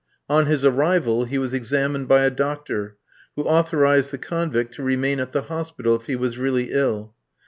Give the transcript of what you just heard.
On his arrival he was examined by a doctor, who authorised the convict to remain at the hospital if he was really ill.